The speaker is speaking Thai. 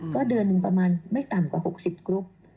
ก็เดือนหนึ่งประมาณไม่ต่ำกว่า๖๐กรุ๊ป